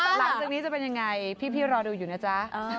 หลังจากนี้จะเป็นยังไงพี่รอดูอยู่นะจ๊ะ